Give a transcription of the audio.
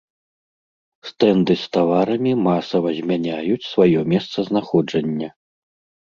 Стэнды з таварамі масава змяняюць сваё месцазнаходжання.